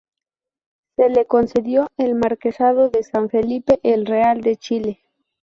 Se le concedió el Marquesado de San Felipe el Real de Chile.